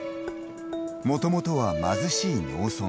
もともとは貧しい農村。